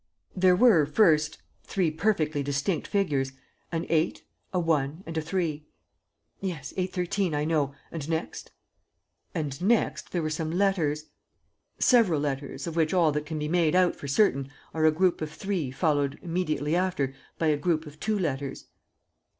"There were, first, three perfectly distinct figures: an 8, a 1, and a 3. ..." "Yes, 813, I know ... and next?" "And next, there were some letters ... several letters, of which all that can be made out for certain are a group of three followed, immediately after, by a group of two letters."